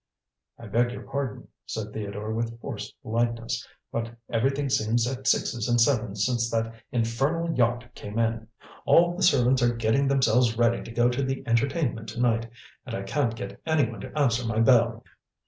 "I beg your pardon," said Theodore with forced politeness, "but everything seems at sixes and sevens since that infernal yacht came in. All the servants are getting themselves ready to go to the entertainment to night, and I can't get anyone to answer my bell."